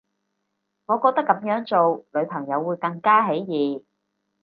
我覺得噉樣做女朋友會更加起疑